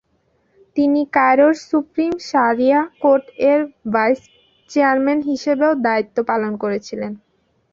তিনি কায়রোর সুপ্রিম শারিয়াহ কোর্ট এর ভাইস-চেয়ারম্যান হিসেবেও দায়িত্ব পালন করেছিলেন।